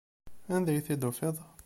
Anda ay t-id-tufiḍ?